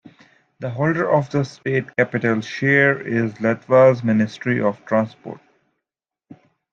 The holder of the state capital share is Latvia's Ministry of Transport.